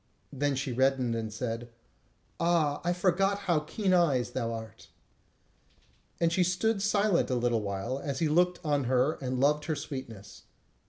Then she reddened, and said: "Ah, I forgot how keen eyes thou art." And she stood silent a little while, as he looked on her and loved her sweetness.